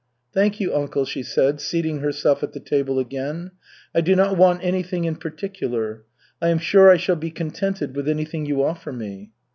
"Thank you, uncle," she said, seating herself at the table again. "I do not want anything in particular. I am sure I shall be contented with anything you offer me."